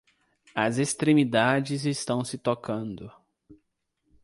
As extremidades estão se tocando.